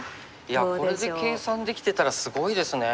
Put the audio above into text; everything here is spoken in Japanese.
これで計算できてたらすごいですね。